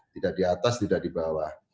tidak di atas tidak di bawah